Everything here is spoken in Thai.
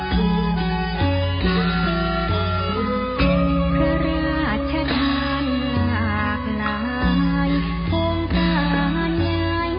เพื่อราชธรรมหากไหลโทษกันใหญ่หน่วยตัวเว็บเล่นหน่อย